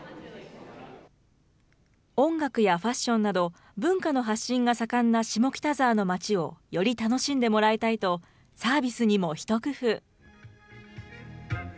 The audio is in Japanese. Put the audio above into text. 音楽やファッションなど、文化の発信が盛んな下北沢の街をより楽しんでもらいたいと、サービスにも一工夫。